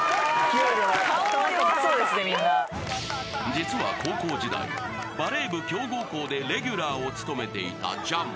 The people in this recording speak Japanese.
［実は高校時代バレー部強豪校でレギュラーを務めていたジャンボ］